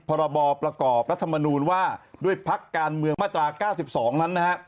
พรบประกอบรัฐมนูลว่าด้วยพักการเมืองมาตรา๙๒นั้นนะฮะ